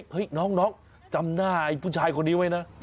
เฮ้ยน้องจำหน้าไอ้ผู้ชายคนนี้ไว้นะ